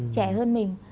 trẻ hơn mình